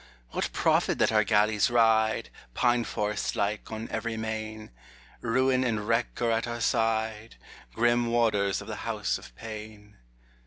What profit that our galleys ride, Pine forest like, on every main? Ruin and wreck are at our side, Grim warders of the House of pain.